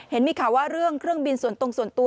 เห็นมีข่าวว่าเรื่องเครื่องบินส่วนตรงส่วนตัว